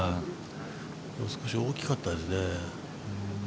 少し大きかったですね。